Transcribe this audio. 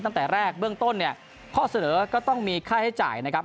ตั้งแต่แรกเบื้องต้นเนี่ยข้อเสนอก็ต้องมีค่าใช้จ่ายนะครับ